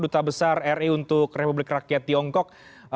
duta besar ri untuk republik rakyat tiongkok